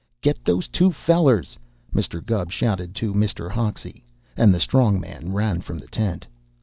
"Get those two fellers," Mr. Gubb shouted to Mr. Hoxie, and the strong man ran from the tent.